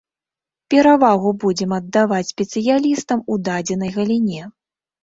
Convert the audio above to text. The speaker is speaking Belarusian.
Перавагу будзем аддаваць спецыялістам у дадзенай галіне.